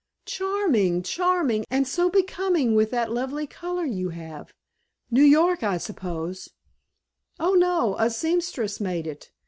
"Charming charming and so becoming with that lovely color you have. New York, I suppose " "Oh, no, a seamstress made it.